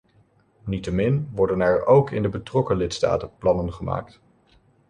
Niettemin worden er ook in de betrokken lidstaten plannen gemaakt.